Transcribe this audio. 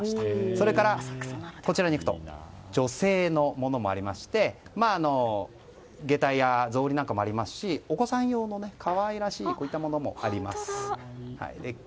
それから女性のものもありまして下駄や、草履なんかもありますしお子さん用の可愛らしいものもあります。